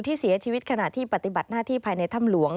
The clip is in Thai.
ที่เสียชีวิตขณะที่ปฏิบัติหน้าที่ภายในถ้ำหลวง